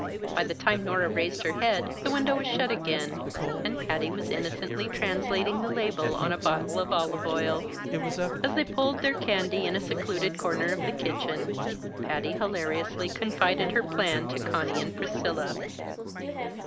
By the time Nora raised her head, the window was shut again, and Patty was innocently translating the label on a bottle of olive oil. As they pulled their candy in a secluded corner of the kitchen, Patty hilariously confided her plan to Conny and Priscilla.